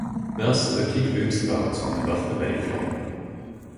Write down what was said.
Thus, the peak looms about above the valley floor.